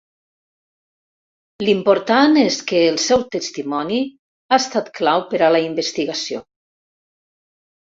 L'important és que el seu testimoni ha estat clau per a la investigació.